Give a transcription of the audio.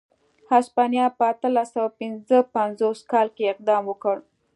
هسپانیا په اتلس سوه پنځه پنځوس کال کې اقدام وکړ.